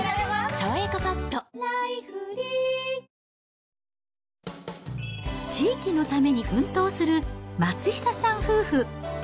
「さわやかパッド」地域のために奮闘する、松下さん夫婦。